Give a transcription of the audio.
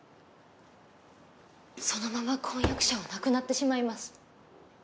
そのまま婚約者は亡くなってしまいます。